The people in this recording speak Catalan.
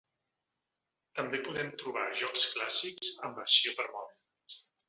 També podem trobar jocs clàssics en versió per a mòbil.